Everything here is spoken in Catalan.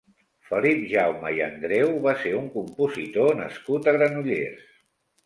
Felip Jaume i Andreu va ser un compositor nascut a Granollers.